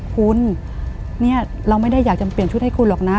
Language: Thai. คุณเนี่ยเราไม่ได้อยากจะเปลี่ยนชุดให้คุณหรอกนะ